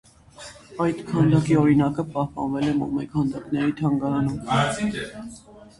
Այդ քանդակի օրինակը պահպանվել է մոմե քանդակների թանգարանում։